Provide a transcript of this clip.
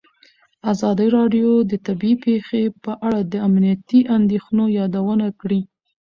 ازادي راډیو د طبیعي پېښې په اړه د امنیتي اندېښنو یادونه کړې.